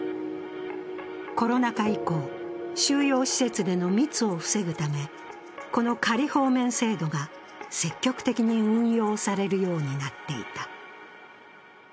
コロナ禍以降、収容施設での密を防ぐためこの仮放免制度が積極的に運用されるようになっていた。